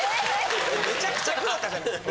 めちゃくちゃ不仲じゃないっすか。